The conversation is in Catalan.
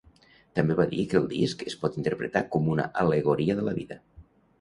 També va dir que el disc es pot interpretar com una al·legoria de la vida.